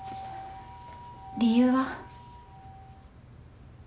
理由は？